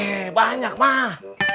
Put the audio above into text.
eh banyak mah